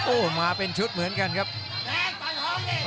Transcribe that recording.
โอ้มาเป็นชุดเหมือนกันครับครับ